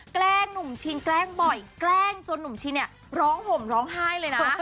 แกล้งหนุ่มชินแกล้งบ่อยแกล้งจนหนุ่มชินเนี่ยร้องห่มร้องไห้เลยนะ